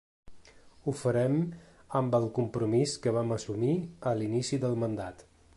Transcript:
Ho farem amb el compromís que vam assumir a l’inici del mandat.